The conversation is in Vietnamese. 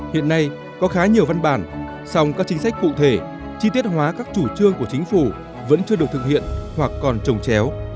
hiện nay có khá nhiều văn bản song các chính sách cụ thể chi tiết hóa các chủ trương của chính phủ vẫn chưa được thực hiện hoặc còn trồng chéo